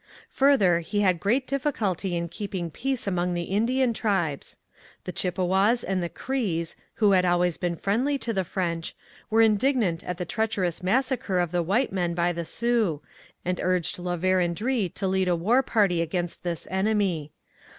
Further, he had great difficulty in keeping peace among the Indian tribes. The Chippewas and the Crees, who had always been friendly to the French, were indignant at the treacherous massacre of the white men by the Sioux, and urged La Vérendrye to lead a war party against this enemy.